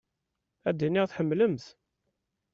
Ad iniɣ tḥemmlem-t.